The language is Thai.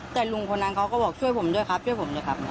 แต่ลุงคนนั้นเขาก็บอกช่วยผมด้วยครับช่วยผมด้วยครับ